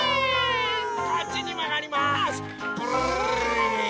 こっちにまがります。